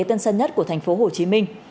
tân sân nhất của tp hcm